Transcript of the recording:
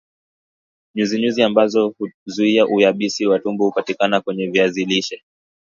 nyuzinyuzi ambazo huzuia uyabisi wa tumbo hupatikana kwenye viazi lishe